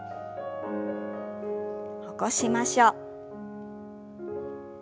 起こしましょう。